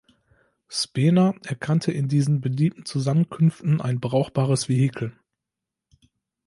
Spener erkannte in diesen beliebten Zusammenkünften ein brauchbares Vehikel.